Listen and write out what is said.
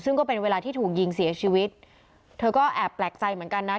ซึ่งก็เป็นเวลาที่ถูกยิงเสียชีวิตเธอก็แอบแปลกใจเหมือนกันนะ